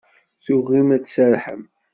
Tugim ad tserrḥem.